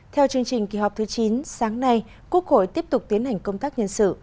theo chương trình kỳ họp thứ chín sáng nay quốc hội tiếp tục tiến hành công tác nhân sự